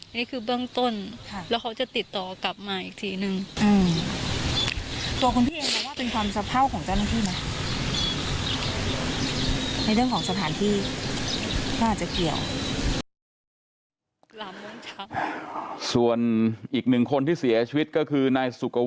นี่คือเบื้องต้นแล้วเขาจะติดต่อกลับมาอีกทีนึง